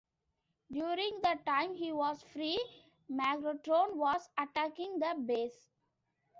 During the time he was free, Megatron was attacking the base.